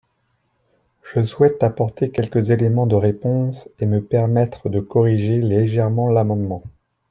Je souhaite apporter quelques éléments de réponse et me permettre de corriger légèrement l’amendement.